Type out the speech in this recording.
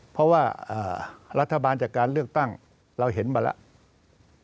เพราะว่ารัฐบาลจากการเลือกตั้งเราเห็นมาแล้ว